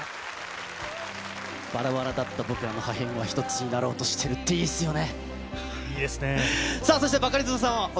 ばらばらだった僕らが一つになろうとしてるっていいですよね。